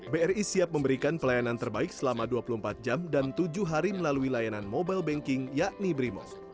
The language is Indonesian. bri siap memberikan pelayanan terbaik selama dua puluh empat jam dan tujuh hari melalui layanan mobile banking yakni brimop